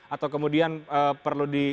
atau kemudian perlu